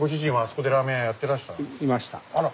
あら。